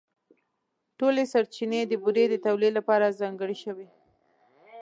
ټولې سرچینې د بورې د تولیدً لپاره ځانګړې شوې.